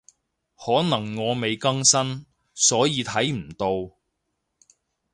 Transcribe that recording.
可能我未更新，所以睇唔到